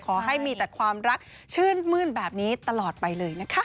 ขอให้มีแต่ความรักชื่นมื้นแบบนี้ตลอดไปเลยนะคะ